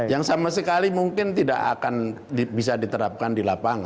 yang sama sekali mungkin tidak akan bisa diterapkan di lapangan